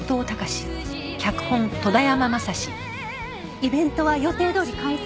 イベントは予定どおり開催？